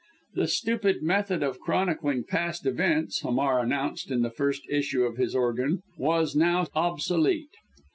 The stupid method of chronicling past events, Hamar announced in the first issue of his organ, was now obsolete.